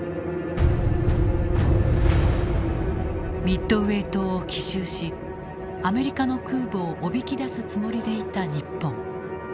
ミッドウェー島を奇襲しアメリカの空母をおびき出すつもりでいた日本。